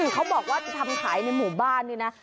เขาบอกว่าจะทำขายในหมู่บ้านนี่นะ